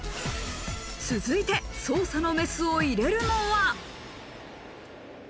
続いて捜査のメスを入れるのは。